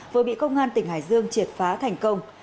vừa bị công an tỉnh hải dương triệt phá thành công